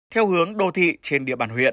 theo hướng đô thị trên địa bàn huyện